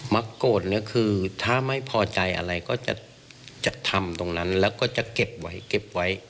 มาบักโหกอะไรเอ็กก็